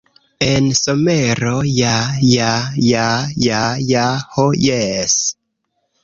En somero, ja ja ja ja ja... ho jes!